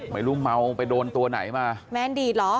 ไม่รู้เมาไปโดนตัวไหนมาแมนดีดเหรอ